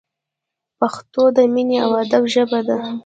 پښتو د مینې او ادب ژبه ده!